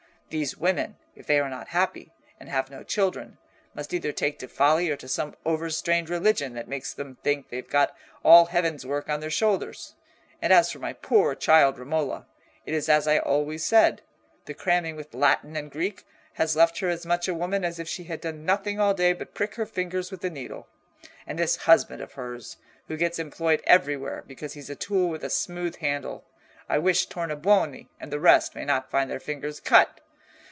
These women, if they are not happy, and have no children, must either take to folly or to some overstrained religion that makes them think they've got all heaven's work on their shoulders. And as for my poor child Romola, it is as I always said—the cramming with Latin and Greek has left her as much a woman as if she had done nothing all day but prick her fingers with the needle. And this husband of hers, who gets employed everywhere, because he's a tool with a smooth handle, I wish Tornabuoni and the rest may not find their fingers cut.